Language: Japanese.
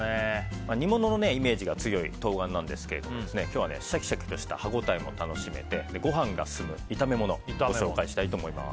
煮物のイメージが強い冬瓜なんですが今日はシャキシャキとした歯応えも楽しめてご飯が進む炒め物ご紹介したいと思います。